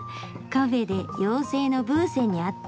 カフェで妖精のブーセンに会って。